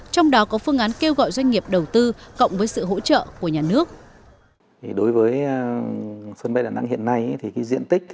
trong đó có phương án kêu gọi doanh nghiệp đầu tư cộng với sự hỗ trợ của nhà nước